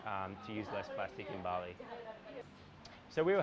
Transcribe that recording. untuk menggunakan lebih kurang plastik di bali